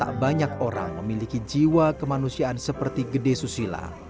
tak banyak orang memiliki jiwa kemanusiaan seperti gede susila